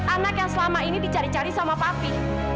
anak yang selama ini dicari cari sama papi